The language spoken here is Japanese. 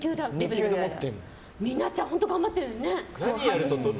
美奈ちゃん、本当頑張ってるね。